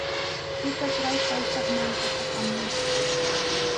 Kutatraw kaykaq mankata apamuy.